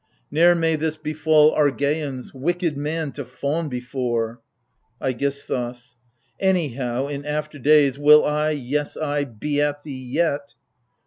Ne'er may this befall Argeians — wicked man to fawTi before ! AIGISTHOS. Anyhow, in after days, will T, yes, I, be at thee yet